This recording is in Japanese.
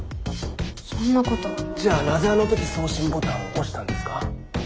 じゃあなぜあの時送信ボタンを押したんですか？